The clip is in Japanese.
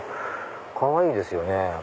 かわいいですよね